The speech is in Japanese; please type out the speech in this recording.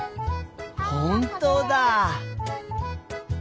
ほんとだ。